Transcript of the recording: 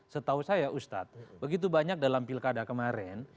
setahu saya ustadz begitu banyak dalam pilkada kemarin